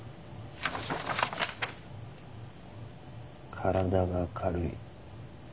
「身体が軽い。